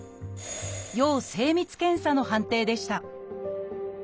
「要精密検査」の判定でした